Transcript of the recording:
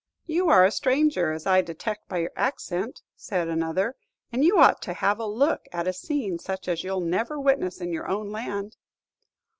"You are a stranger, as I detect by your accent," said another, "and you ought to have a look at a scene such as you'll never witness in your own land."